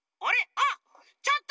あっちょっと！